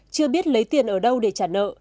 chưa biết lấy tiền ở đâu để trả nợ